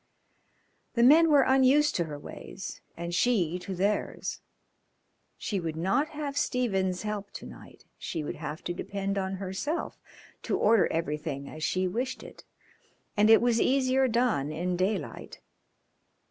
The men were unused to her ways and she to theirs. She would not have Stephens' help to night; she would have to depend on herself to order everything as she wished it, and it was easier done in daylight.